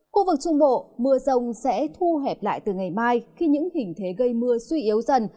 khu vực trung bộ mưa rông sẽ thu hẹp lại từ ngày mai khi những hình thế gây mưa suy yếu dần